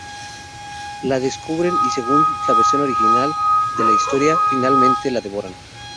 La descubren, y según la versión original de la historia, finalmente la devoran.